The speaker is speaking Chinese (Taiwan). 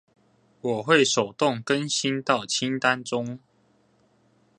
我會手動更新到清單中